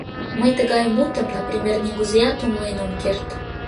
Мый тыгай мутым, например, нигузеат умылен ом керт.